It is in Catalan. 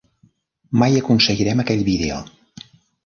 Mai aconseguirem aquell vídeo.